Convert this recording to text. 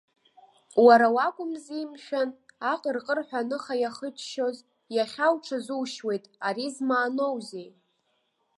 Уара уакәымзи, мшәан, аҟырҟырҳәа аныха иахыччоз, иахьа уҽазушьуеит, ари змааноузеи?